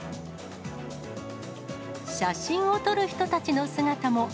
写真を撮る人たちの姿も。